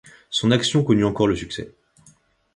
Son action connut encore le succès.